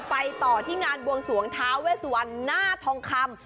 ไปต่อที่งานบวงสวงท้าเวสวันหน้าทองคำ